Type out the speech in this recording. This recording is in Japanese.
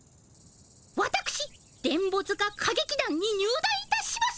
わたくし電ボ塚歌劇団に入団いたします！